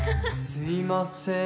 ・すいません。